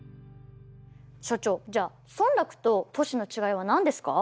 所長じゃあ村落と都市の違いは何ですか？